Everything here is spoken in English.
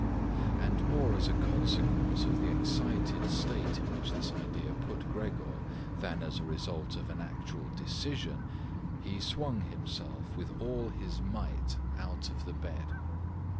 And more as a consequence of the excited state in which this idea put Gregor than as a result of an actual decision, he swung himself with all his might out of the bed.